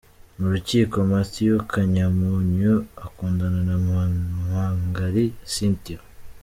Mu rukiko Matthew Kanyamunyu ukundana na Munwangari Cynthia